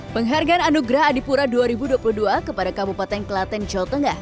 penghargaan anugerah adipura dua ribu dua puluh dua kepada kabupaten kelaten jawa tengah